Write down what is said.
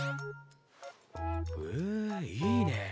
へえいいね。